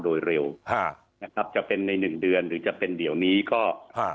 โดยเร็วฮะนะครับจะเป็นในหนึ่งเดือนหรือจะเป็นเดี๋ยวนี้ก็อ่า